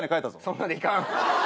そんなんで行かん。